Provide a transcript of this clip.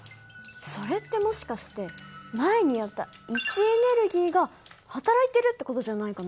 それってもしかして前にやった位置エネルギーが働いてるって事じゃないかな？